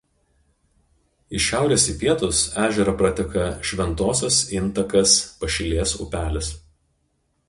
Iš šiaurės į pietus ežerą prateka Šventosios intakas Pašilės upelis.